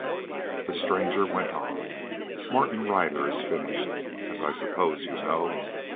The stranger went on: "Martin Ryder is finished, as I suppose you know.